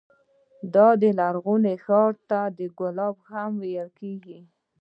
دا لرغونی ښار ته ګلابي ښار هم ویل کېږي.